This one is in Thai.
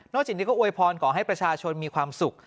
จากนี้ก็อวยพรขอให้ประชาชนมีความสุข